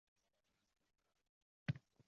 Aksiga olib ikkinchisi yo‘q edi.